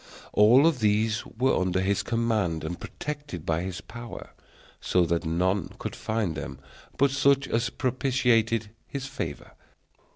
All these were under his command, and protected by his power, so that none could find them but such as propitiated his favor.